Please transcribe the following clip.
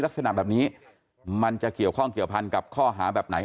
ลักษณะแบบนี้มันจะเกี่ยวข้องเกี่ยวพันกับข้อหาแบบไหน